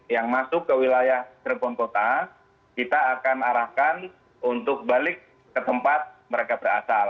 yang masuk ke wilayah cirebon kota kita akan arahkan untuk balik ke tempat mereka berasal